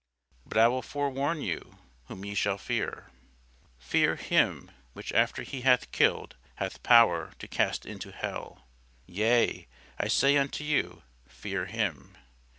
But I will forewarn you whom ye shall fear: Fear him, which after he hath killed hath power to cast into hell; yea, I say unto you, Fear him.